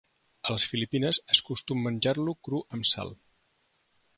A les Filipines és costum menjar-lo cru amb sal.